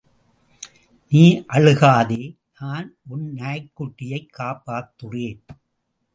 நீ அழுகாதே நான் உன் நாய்க் குட்டியைக் காப்பாத்துறேன்.